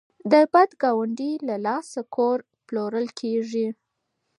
د بد ګاونډي له لاسه کور پلورل کیږي.